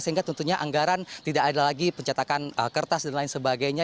sehingga tentunya anggaran tidak ada lagi pencetakan kertas dan lain sebagainya